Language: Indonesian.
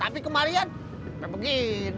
tapi kemarin kayak begini